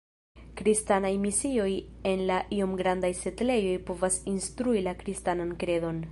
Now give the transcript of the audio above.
Kristanaj misioj en la iom grandaj setlejoj provas instrui la kristanan kredon.